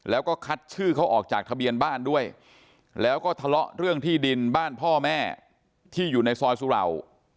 แล้วก็คัดชื่อเขาออกจากทะเบียนบ้านด้วยแล้วก็ทะเลาะเรื่องที่ดินบ้านพ่อแม่ที่อยู่ในซอยสุเหล่า